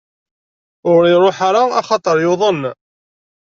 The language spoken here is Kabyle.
Ur iruḥ ara axaṭer yuḍen.